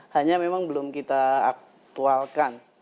hanya memang belum kita aktualkan